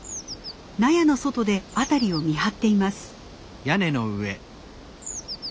納屋の外で辺りを見張っています。